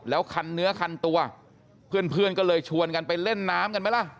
แล้วคันเนื้อคันตัวเพื่อนก็เลยชวนกันไปเล่นน้ำกันไหมล่ะ